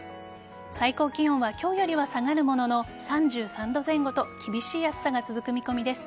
最高気温は今日よりは下がるものの３３度前後と厳しい暑さが続く見込みです。